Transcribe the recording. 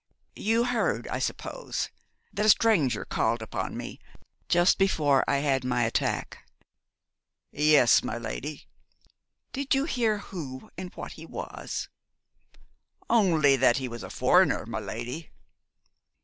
You heard, I suppose, that a stranger called upon me just before I had my attack?' 'Yes, my lady.' 'Did you hear who and what he was?' 'Only that he was a foreigner, my lady.'